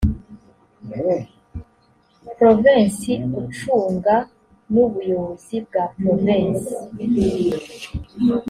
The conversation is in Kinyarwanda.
provensi ucungwa n ubuyobozi bwa provensi